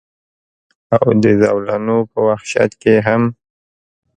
او د زولنو پۀ وحشت کښې هم